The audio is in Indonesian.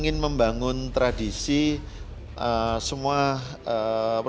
misalnya untuk moderator